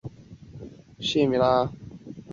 圣经记载扫罗最后死在和非利士人的战争中。